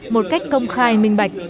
một cách công khai minh bạch